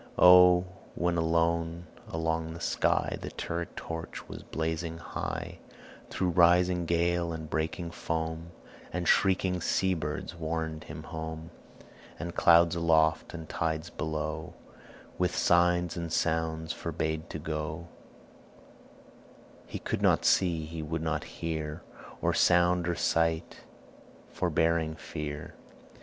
O, when alone along the sky The turret torch was blazing high, Though rising gale and breaking foam, And shrieking sea birds warned him home; And clouds aloft and tides below, With signs and sounds forbade to go, He could not see, he would not hear Or sound or sight foreboding fear.